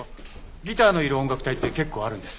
ギターのいる音楽隊って結構あるんです。